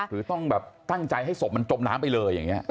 หรือต้องแบบตั้งใจให้ศพมันจมน้ำไปเลยอย่างนี้